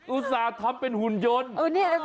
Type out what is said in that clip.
อุตส่าห์ทำเป็นหุ่นยนต์